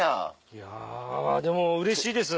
いやでもうれしいです！